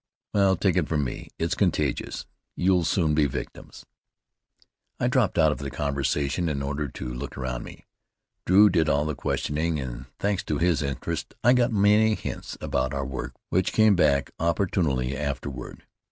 Well, take it from me, it's contagious. You'll soon be victims." I dropped out of the conversation in order to look around me. Drew did all of the questioning, and thanks to his interest, I got many hints about our work which came back opportunely, afterward.